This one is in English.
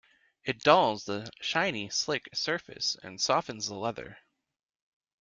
It dulls the shiny, slick surface and softens the leather.